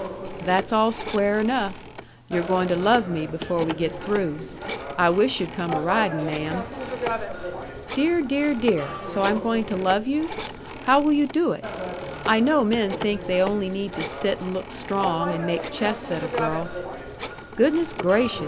"That's all square enough. You're goin' to love me before we get through. I wish yu'd come a ridin, ma'am." "Dear, dear, dear! So I'm going to love you? How will you do it? I know men think that they only need to sit and look strong and make chests at a girl " "Goodness gracious!